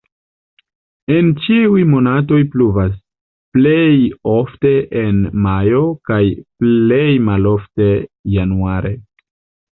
En ĉiuj monatoj pluvas, plej ofte en majo, plej malofte januare.